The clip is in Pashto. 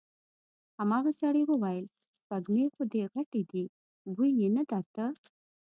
هماغه سړي وويل: سپږمې خو دې غټې دې، بوی يې نه درته؟